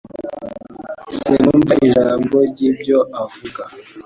Sinumva ijambo ryibyo avuga.